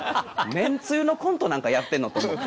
めんつゆのコントなんかやってんの？と思って。